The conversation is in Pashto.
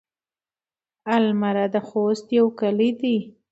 المره د خوست يو کلی دی.